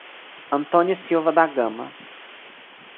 Antônio Silva da Gama